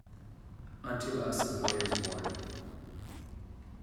Unto us a boy is born.